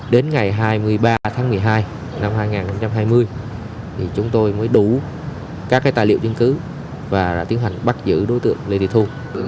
đến ngày hai mươi ba tháng một mươi hai năm hai nghìn hai mươi chúng tôi mới đủ các tài liệu chứng cứ và tiến hành bắt giữ đối tượng lê thị thu